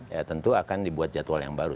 ya tentu akan dibuat jadwal yang baru